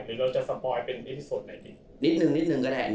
หรือเราจะสปอยเป็นอีพีทส่วนไหนที่